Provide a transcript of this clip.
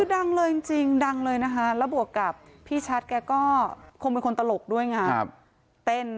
ดังเลยจริงดังเลยนะคะแล้วบวกกับพี่ชัดแกก็คงเป็นคนตลกด้วยไง